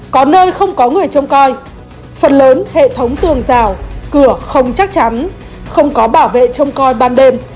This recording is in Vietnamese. có nơi không có người trông coi phần lớn hệ thống tường rào cửa không chắc chắn không có bảo vệ trông coi ban đêm